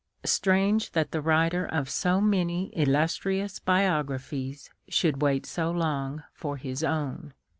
Strange that the writer of so many illustrious biograjjhies should wait so long for his own.